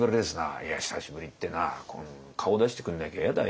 「いや久しぶりってな顔出してくんなきゃ嫌だよ。